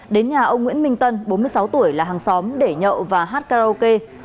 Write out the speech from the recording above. đến nhà ông nguyễn minh tân bốn mươi sáu tuổi là hàng xóm để nhậu và hát karaoke